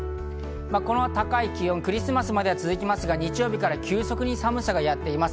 この高い気温はクリスマスまでは続きますが日曜日から急速に寒さがやってきます。